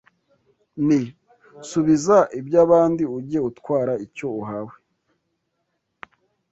Nti: subiza iby’abandi Ujye utwara icyo uhawe